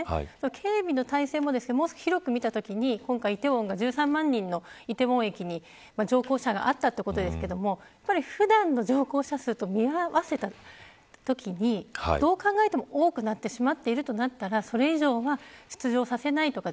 警備体制もそうですが広く見たときに梨泰院が、１３万人の梨泰院駅に乗降車があったということで普段の乗降者数と見合わせたときにどう考えても多くなってしまっているとなればそれ以上は、出場させないとか